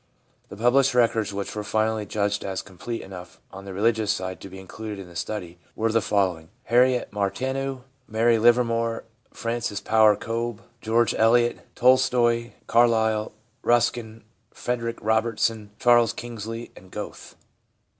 The published records which were finally judged as com plete enough on the religious side to be included in the study were the following: Harriet Martineau, Mary Livermore, Frances Power Cobbe, George Eliot, Tolstoi, Carlyle, Ruskin, Frederick Robertson, Charles Kingsley and Goethe.